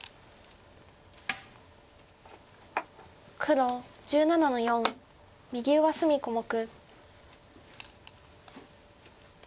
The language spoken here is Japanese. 黒１７の四右上隅小目。